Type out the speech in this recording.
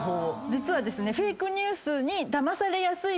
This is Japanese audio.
実はですね。